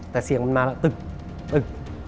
แต่เสียงมันมาแล้วตึกตึก